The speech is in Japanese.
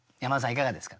いかがですか？